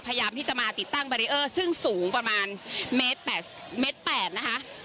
พยายามที่จะมาติดตั้งซึ่งสูงประมาณเมตรแปดนะคะ